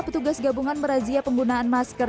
petugas gabungan merazia penggunaan masker